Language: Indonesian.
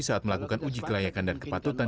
saat melakukan uji kelayakan dan kepatutan